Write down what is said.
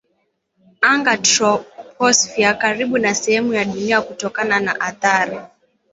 anga troposphere karibu na sehemu ya Dunia kutona na athari